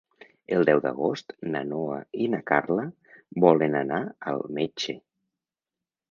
El deu d'agost na Noa i na Carla volen anar al metge.